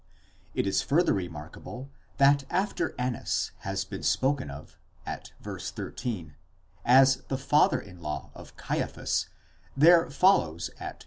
It is further remarkable that after Annas has been spoken of, at v. 13, as the father in law of Caiaphas, there follows at v.